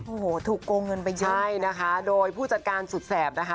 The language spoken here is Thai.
โอ้โหถูกโกงเงินไปเยอะใช่นะคะโดยผู้จัดการสุดแสบนะคะ